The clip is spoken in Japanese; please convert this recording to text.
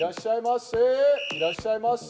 いらっしゃいませ！